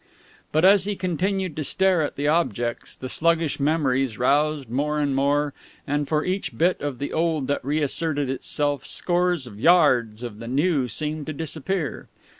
But, as he continued to stare at the objects, the sluggish memories roused more and more; and for each bit of the old that reasserted itself scores of yards of the new seemed to disappear.